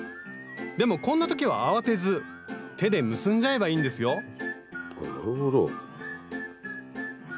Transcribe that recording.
でもこんな時は慌てず手で結んじゃえばいいんですよあっなるほど。